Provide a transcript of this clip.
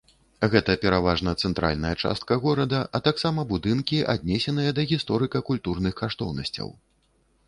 Гэта пераважна цэнтральная частка горада, а таксама будынкі, аднесеныя да гісторыка-культурных каштоўнасцяў.